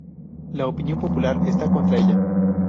La opinión popular está contra ella.